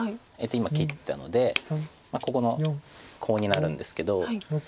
今切ったのでここのコウになるんですけど。